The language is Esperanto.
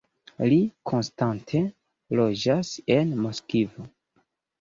Li konstante loĝas en Moskvo.